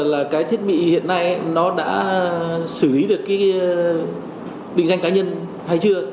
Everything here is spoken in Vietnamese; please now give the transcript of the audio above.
là cái thiết bị hiện nay nó đã xử lý được cái định danh cá nhân hay chưa